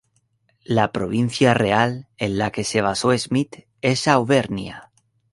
La provincia real en la que se basó Smith es Auvernia.